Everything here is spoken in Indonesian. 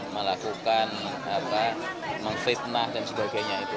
melakukan memfitnah dan sebagainya itu